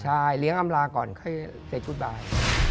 ใช่เลี้ยงอำลาก่อนเข้าให้เซ็ทกู๊ดบาย